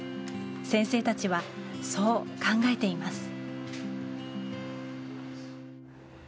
先生たちは、そう考えています。